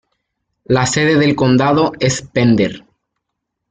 La sede del condado es Pender.